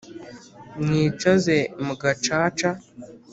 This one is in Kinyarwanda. Mwicaze mu gacaca